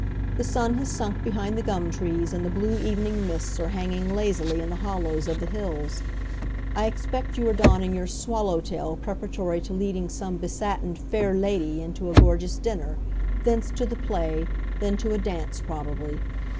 The sun has sunk behind the gum trees, and the blue evening mists are hanging lazily in the hollows of the hills. I expect you are donning your "swallow tail" preparatory to leading some be satined "faire ladye" in to a gorgeous dinner, thence to the play, then to a dance probably.